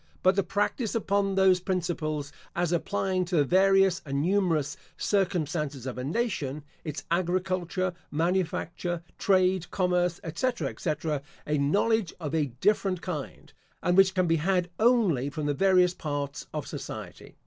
But the practice upon those principles, as applying to the various and numerous circumstances of a nation, its agriculture, manufacture, trade, commerce, etc., etc., a knowledge of a different kind, and which can be had only from the various parts of society.